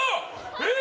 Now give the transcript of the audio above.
えっ！？